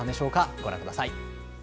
ご覧ください。